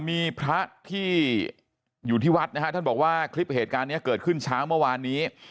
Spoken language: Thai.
มีพระที่อยู่ที่วัดนะฮะท่านบอกว่าคลิปเหตุการณ์นี้เกิดขึ้นเช้าเมื่อวานนี้